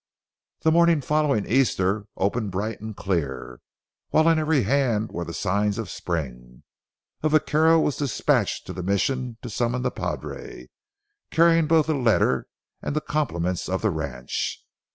The morning following Easter opened bright and clear, while on every hand were the signs of spring. A vaquero was dispatched to the Mission to summon the padre, carrying both a letter and the compliments of the ranch.